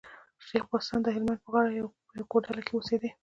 شېخ بستان د هلمند په غاړه په يوه کوډله کي اوسېدئ.